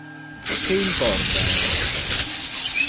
Che importa a me?